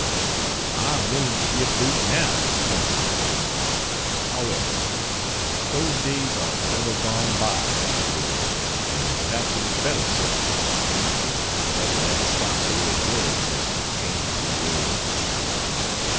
I am willing to give boot now, if however, those days are forever gone by in Missouri, and perhaps it is better so. Nothing ever stops the way it was in this changeable world.